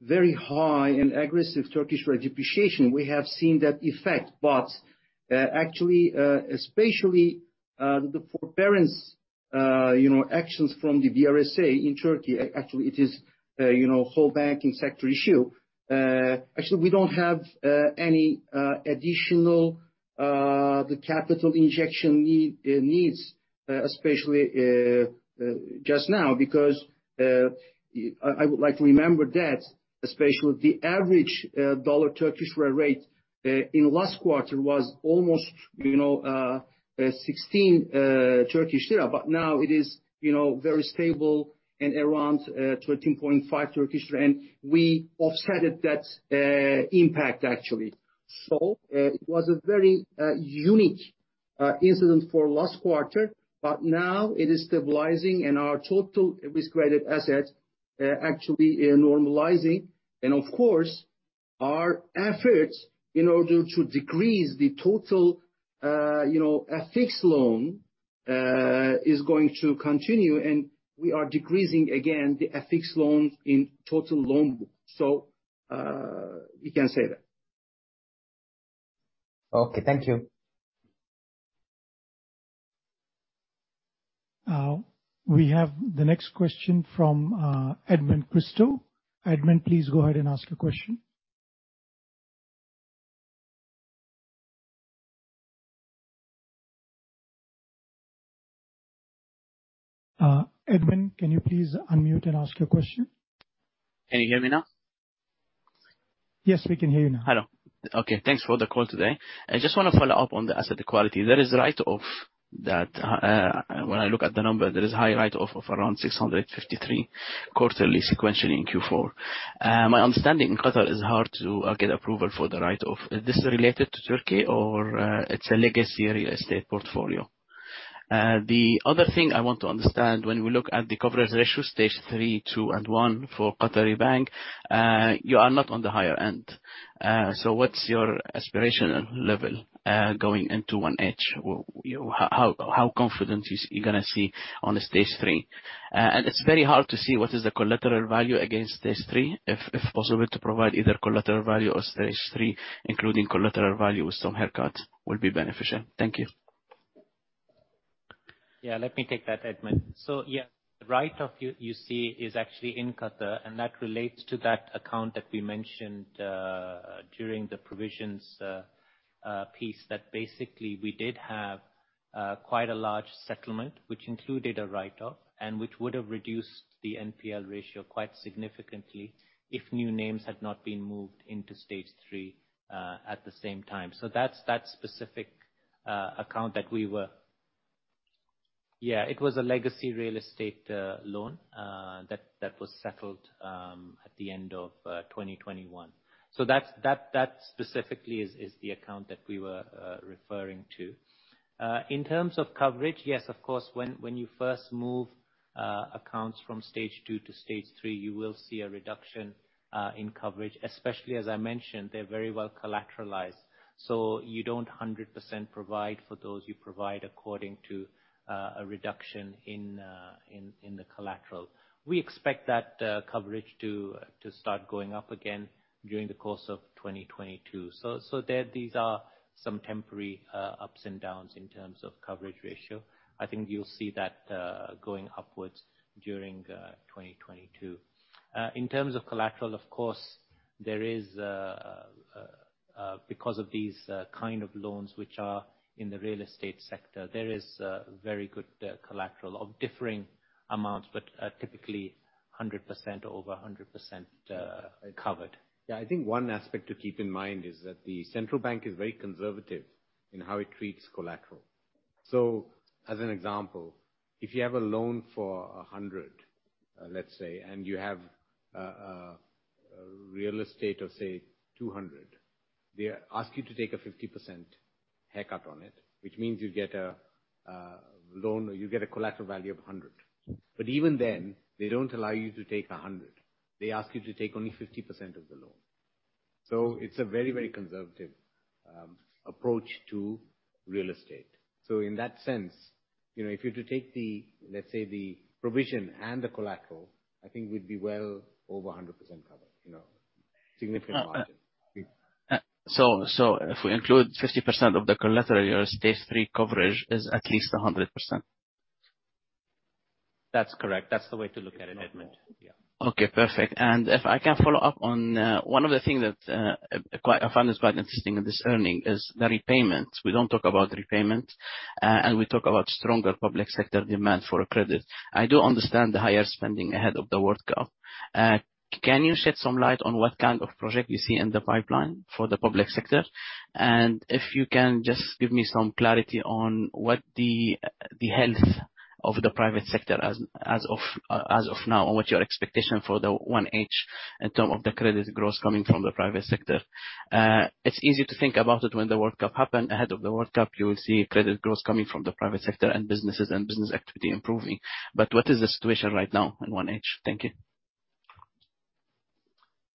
very high and aggressive TRY depreciation, we have seen that effect, but actually, especially the forbearance actions from the BRSA in Turkey, actually it is whole banking sector issue. Actually, we don't have any additional capital injection needs especially just now because I would like to remember that especially the average dollar TRY rate in last quarter was almost 16 Turkish lira, now it is very stable and around 13.5 TRY, and we offset that impact actually. It was a very unique incident for last quarter. Now it is stabilizing and our total risk-graded assets actually are normalizing. Of course, our efforts in order to decrease the total FX loan is going to continue, and we are decreasing again the FX loans in total loan book. We can say that. Okay. Thank you. We have the next question from Edmond Christo. Edmond, please go ahead and ask a question. Edmond, can you please unmute and ask your question? Can you hear me now? Yes, we can hear you now. Hello. Okay. Thanks for the call today. I just want to follow up on the asset quality. There is write-off that when I look at the number, there is high write-off of around 653 quarterly sequentially in Q4. My understanding, in Qatar it's hard to get approval for the write-off. Is this related to Turkey or it's a legacy real estate portfolio? The other thing I want to understand, when we look at the coverage ratio, stage 3, 2, and 1 for The Commercial Bank, you are not on the higher end. What's your aspirational level going into 1H? How confident are you going to see on the stage 3? It's very hard to see what is the collateral value against stage 3. If possible, to provide either collateral value or stage 3, including collateral value with some haircut, will be beneficial. Thank you. Yeah, let me take that, Edmond. The write-off you see is actually in Qatar, and that relates to that account that we mentioned during the provisions piece, that basically, we did have quite a large settlement, which included a write-off, and which would've reduced the NPL ratio quite significantly if new names had not been moved into stage 3 at the same time. That specific account that we were, it was a legacy real estate loan that was settled at the end of 2021. That specifically is the account that we were referring to. In terms of coverage, yes, of course, when you first move accounts from stage 2 to stage 3, you will see a reduction in coverage, especially as I mentioned, they're very well collateralized. You don't 100% provide for those, you provide according to a reduction in the collateral. We expect that coverage to start going up again during the course of 2022. These are some temporary ups and downs in terms of coverage ratio. I think you'll see that going upwards during 2022. In terms of collateral, of course, because of these kind of loans which are in the real estate sector, there is very good collateral of differing amounts, but typically 100% or over 100% covered. Yeah. I think one aspect to keep in mind is that the Qatar Central Bank is very conservative in how it treats collateral. As an example, if you have a loan for 100, let's say, and you have real estate of, say, 200. They ask you to take a 50% haircut on it, which means you get a collateral value of 100. Even then, they don't allow you to take 100. They ask you to take only 50% of the loan. It's a very conservative approach to real estate. In that sense, if you're to take, let's say, the provision and the collateral, I think we'd be well over 100% covered. Significant margin. If we include 50% of the collateral, your stage 3 coverage is at least 100%? That's correct. That's the way to look at it, Edmund. Yeah. Okay, perfect. If I can follow up on one other thing that I found is quite interesting in this earnings is the repayments. We don't talk about repayments. We talk about stronger public sector demand for credit. I do understand the higher spending ahead of the World Cup. Can you shed some light on what kind of project you see in the pipeline for the public sector? If you can just give me some clarity on what the health of the private sector as of now, and what's your expectation for the 1H in terms of the credit growth coming from the private sector. It's easy to think about it when the World Cup happened. Ahead of the World Cup, you will see credit growth coming from the private sector and businesses and business activity improving. What is the situation right now in 1H? Thank you.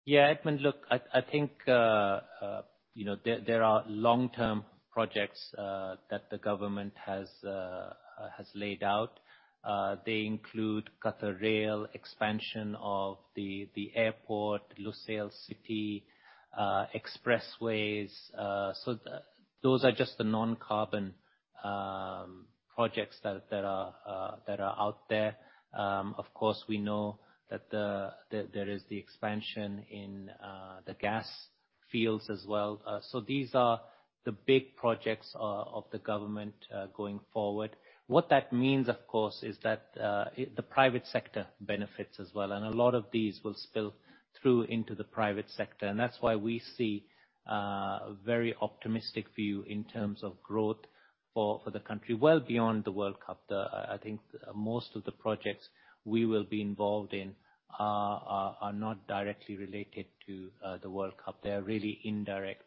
Yeah. Edmund, look, I think there are long-term projects that the government has laid out. They include Qatar Rail, expansion of the airport, Lusail City, expressways. Those are just the non-carbon projects that are out there. Of course, we know that there is the expansion in the gas fields as well. These are the big projects of the government going forward. What that means, of course, is that the private sector benefits as well, and a lot of these will spill through into the private sector. That's why we see a very optimistic view in terms of growth for the country well beyond the World Cup. I think most of the projects we will be involved in are not directly related to the World Cup. They are really indirect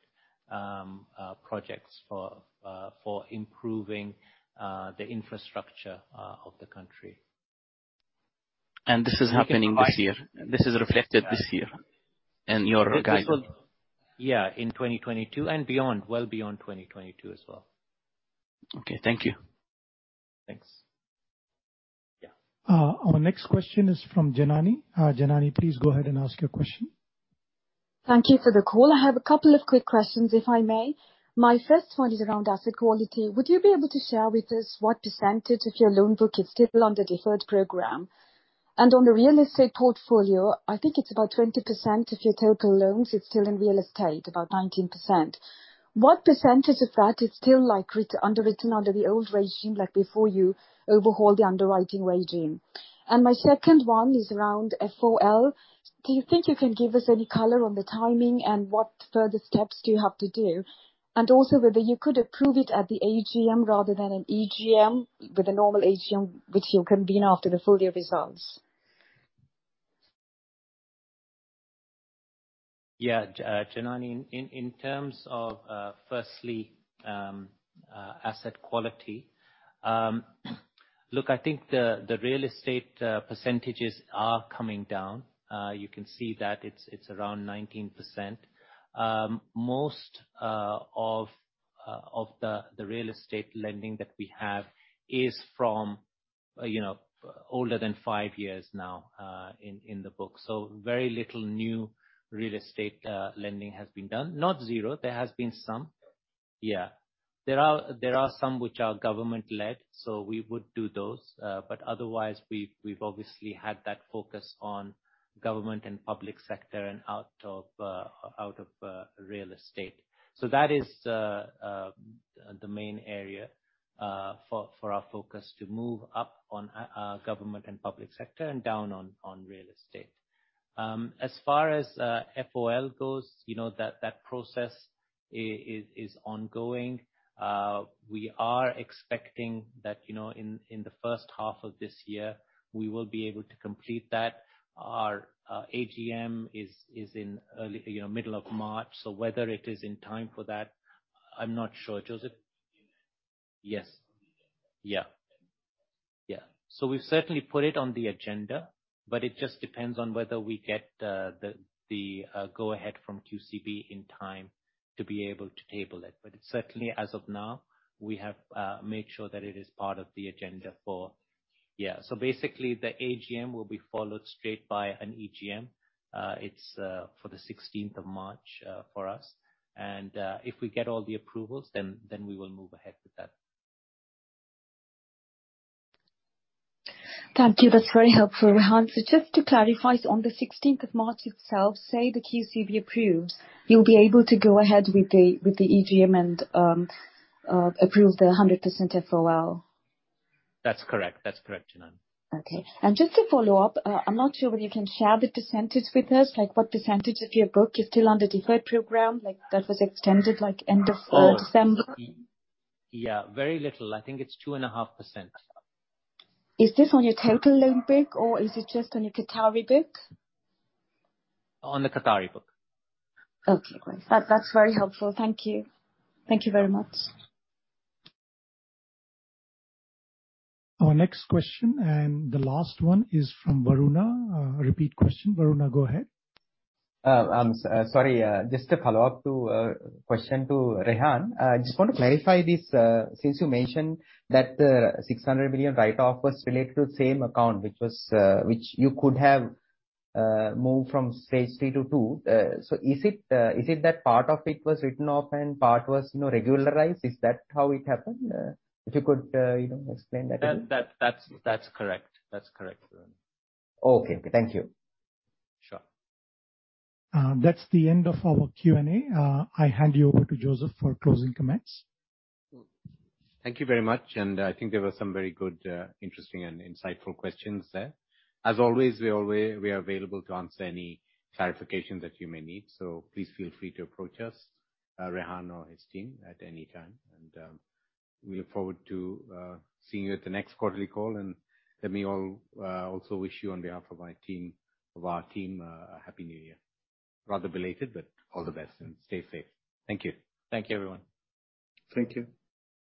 projects for improving the infrastructure of the country. This is happening this year? This is reflected this year in your guidance? Yeah. In 2022 and beyond, well beyond 2022 as well. Okay. Thank you. Thanks. Yeah. Our next question is from Janani. Janani please go ahead and ask your question. Thank you for the call. I have a couple of quick questions, if I may. My first one is around asset quality. Would you be able to share with us what % of your loan book is still on the deferred program? On the real estate portfolio, I think it's about 20% of your total loans is still in real estate, about 19%. What % of that is still underwritten under the old regime, like before you overhaul the underwriting regime? My second one is around FOL. Do you think you can give us any color on the timing and what further steps do you have to do? Also whether you could approve it at the AGM rather than an EGM with a normal AGM, which you'll convene after the full year results. Janani, in terms of, firstly, asset quality. Look, I think the real estate % are coming down. You can see that it's around 19%. Most of the real estate lending that we have is from you know, older than five years now in the book. Very little new real estate lending has been done. Not zero. There has been some. There are some which are government-led, so we would do those. Otherwise, we've obviously had that focus on government and public sector and out of real estate. That is the main area for our focus to move up on government and public sector and down on real estate. As far as FOL goes, that process is ongoing. We are expecting that, in the first half of this year, we will be able to complete that. Our AGM is in middle of March. Whether it is in time for that, I'm not sure. Joseph? Yes. We've certainly put it on the agenda, but it just depends on whether we get the go ahead from QCB in time to be able to table it. Certainly, as of now, we have made sure that it is part of the agenda for. Basically, the AGM will be followed straight by an EGM. It's for the 16th of March for us. If we get all the approvals, then we will move ahead with that. Thank you. That's very helpful, Rehan. Just to clarify, on the 16th of March itself, say the QCB approves, you'll be able to go ahead with the EGM and approve the 100% FOL? That's correct, Janani. Okay. Just to follow up, I'm not sure whether you can share the % with us, like what % of your book is still under deferred program, like that was extended end of December? Yeah, very little. I think it's two and a half %. Is this on your total loan book or is it just on your Qatari book? On the Qatari book. Okay, great. That is very helpful. Thank you. Thank you very much. Our next question, the last one, is from Waruna. A repeat question. Waruna, go ahead. Sorry, just a follow-up question to Rehan. I just want to clarify this, since you mentioned that the 600 million write-off was related to the same account, which you could have moved from stage 3 to 2. Is it that part of it was written off and part was regularized? Is that how it happened? If you could explain that a little. That's correct, Varuna. Okay. Thank you. Sure. That's the end of our Q&A. I hand you over to Joseph for closing comments. Thank you very much. I think there were some very good, interesting, and insightful questions there. As always, we are available to answer any clarification that you may need. Please feel free to approach us, Rehan or his team, at any time. We look forward to seeing you at the next quarterly call. Let me also wish you, on behalf of our team, a Happy New Year. Rather belated, all the best, and stay safe. Thank you. Thank you, everyone. Thank you.